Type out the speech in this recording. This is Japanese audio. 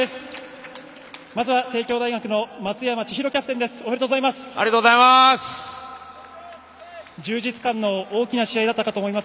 まずは帝京大学の松山千大キャプテンです。